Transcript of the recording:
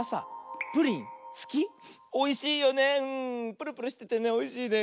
ぷるぷるしててねおいしいね。